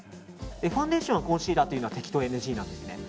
ファンデーションコンシーラーは適当ＮＧなんです。